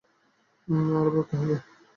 আরো ভাবতে হবে।